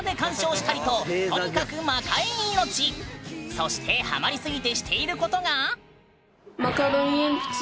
そしてハマりすぎてしていることが。